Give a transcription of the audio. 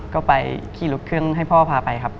ก็ไปขี่รถเครื่องให้พ่อพาไปครับ